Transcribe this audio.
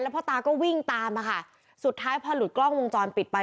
พ่อตาก็วิ่งตามมาค่ะสุดท้ายพอหลุดกล้องวงจรปิดไป